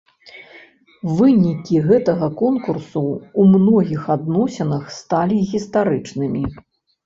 Вынікі гэтага конкурсу ў многіх адносінах сталі гістарычнымі.